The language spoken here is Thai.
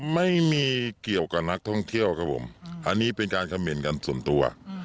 ไม่มีเกี่ยวกับนักท่องเที่ยวครับผมอันนี้เป็นการคำเห็นกันส่วนตัว